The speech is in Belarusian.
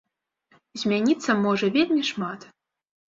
Змяніцца можа вельмі шмат.